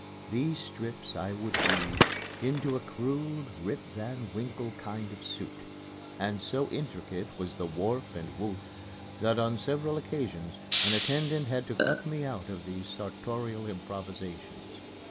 These strips I would weave into a crude Rip Van Winkle kind of suit; and so intricate was the warp and woof that on several occasions an attendant had to cut me out of these sartorial improvisations.